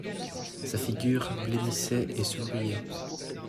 Sa figure blêmissait et souriait.